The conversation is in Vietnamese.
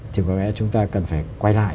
thì có vẻ chúng ta cần phải quay lại